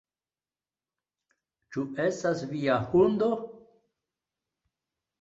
Ĉu estas via hundo?